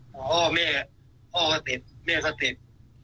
พ่อแม่พ่อก็ติดแม่ก็ติด